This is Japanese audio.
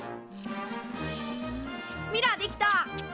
ミラーできた！